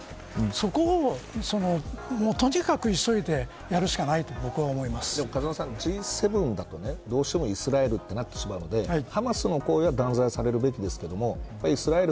そこを、とにかく急いででも風間さん、Ｇ７だとどうしてもイスラエルとなってしまうのでハマスの行為は断罪されるべきですけどイスラエル、